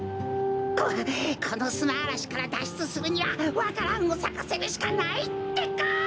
ここのすなあらしからだっしゅつするにはわか蘭をさかせるしかないってか。